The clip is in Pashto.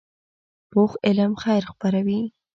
پوخ علم خیر خپروي